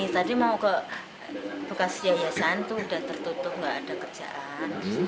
tadi mau ke bekas yayasan itu sudah tertutup nggak ada kerjaan